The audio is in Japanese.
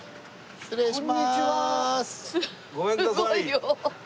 失礼します！